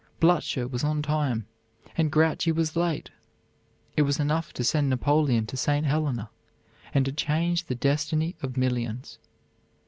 Blucher was on time, and Grouchy was late. It was enough to send Napoleon to St. Helena, and to change the destiny of millions.